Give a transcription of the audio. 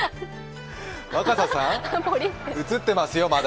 若狭さん、映ってますよ、まだ。